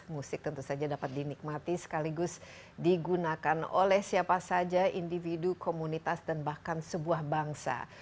musik tentu saja dapat dinikmati sekaligus digunakan oleh siapa saja individu komunitas dan bahkan sebuah bangsa